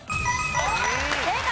正解。